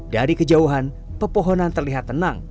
dari kejauhan pepohonan terlihat tenang